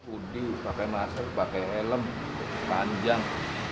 udi pake masker pake elem panjang